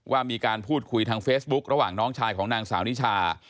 ว่ามีการพูดคุยทางเฟซบุ๊คระหว่างน้องชายของนางสาวนิชา